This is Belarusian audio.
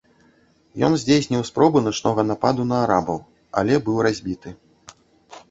Ён здзейсніў спробу начнога нападу на арабаў, але быў разбіты.